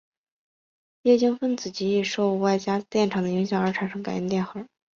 液晶分子极易受外加电场的影响而产生感应电荷。